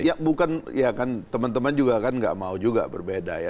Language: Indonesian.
ya bukan ya kan teman teman juga kan nggak mau juga berbeda ya